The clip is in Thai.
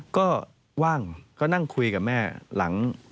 ก็ว่างก็นั่งคุยกับแม่หลัง